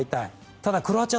ただクロアチア